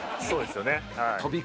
そうですよねはい。